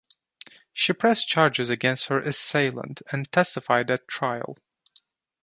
She pressed charges against her assailant and testified at trial.